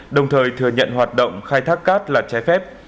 đồng thời thừa nhận hoạt động khai thác cát là trái phép